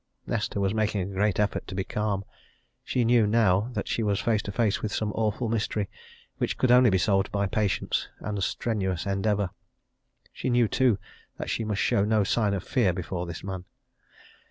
Nesta was making a great effort to be calm. She knew now that she was face to face with some awful mystery which could only be solved by patience and strenuous endeavour. She knew, too, that she must show no sign of fear before this man!